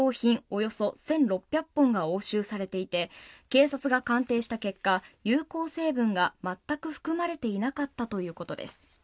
およそ１６００本が押収されていて警察が鑑定した結果有効成分が全く含まれていなかったということです。